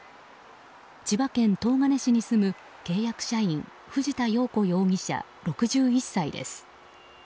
千葉県東金市に住む契約社員藤田容子容疑者、６１歳です。